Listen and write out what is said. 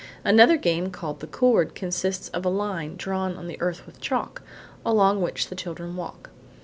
Another game, called "The Cord," consists of a line, drawn on the earth with chalk, along which the children walk.